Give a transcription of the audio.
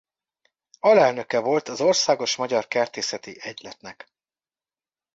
Alelnöke volt az Országos Magyar Kertészeti Egyletnek.